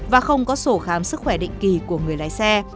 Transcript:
và không có sổ khám sức khỏe định kỳ của người lái xe